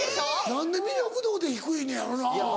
何で魅力度で低いのやろな？